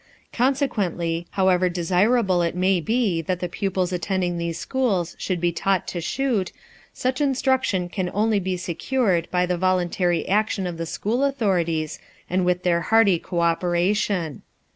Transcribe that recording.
Consequently, however desirable it may be that the pupils attending these schools should be taught to shoot, such instruction can only be secured by the voluntary action of the school authorities and with their hearty cooperation.